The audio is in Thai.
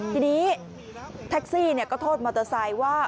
ทีนี้แท็กซี่ก็โทษมอเตอร์ไซค์ว่า